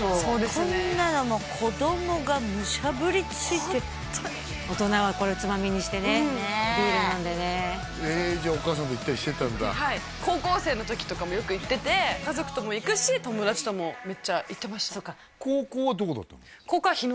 こんなのもう子どもがむしゃぶりついてホントに大人はこれをつまみにしてねビール飲んでねえっじゃあお母さんと行ったりしてたんだはい高校生のときとかもよく行ってて家族とも行くし友達ともメッチャ行ってました高校はどこだったの？